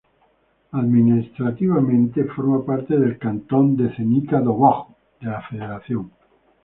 Administrativamente forma parte del cantón de Zenica Doboj de la Federación.